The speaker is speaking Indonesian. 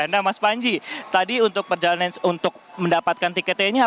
nah mas panji tadi untuk perjalanan untuk mendapatkan tiketnya